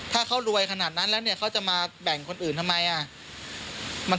ถ้าเขารวยขนาดนั้นแล้วเนี่ยเขาจะมาแบ่งคนอื่นทำไม